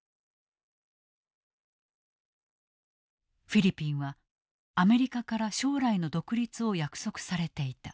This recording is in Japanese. フィリピンはアメリカから将来の独立を約束されていた。